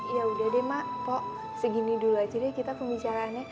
ya udah deh mak kok segini dulu aja deh kita pembicaraannya